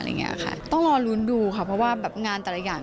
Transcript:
ค่ะต้องรอลุ้นดูค่ะเพราะว่าแบบงานแต่ละอย่าง